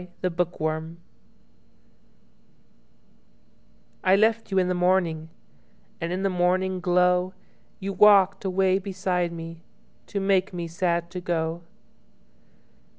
Flower gathering I LEFT you in the morning, And in the morning glow, You walked a way beside meTo make me sad to go.